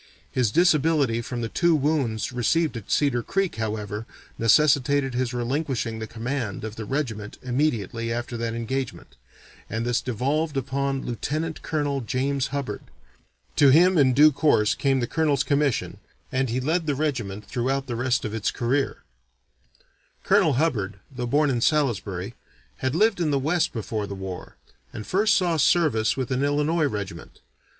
His disability from the two wounds received at Cedar Creek, however, necessitated his relinquishing the command of the regiment immediately after that engagement, and this devolved upon Lieutenant Colonel James Hubbard; to him in due course came the colonel's commission, and he led the regiment throughout the rest of its career. [Illustration: Colonel Mackenzie] Colonel Hubbard, though born in Salisbury, had lived in the West before the war, and first saw service with an Illinois regiment.